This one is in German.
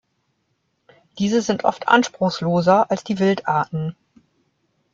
Diese sind oft anspruchsloser als die Wildarten.